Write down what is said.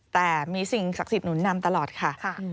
แต่มีสิ่งศักดิ์สินนำตลอดค่ะ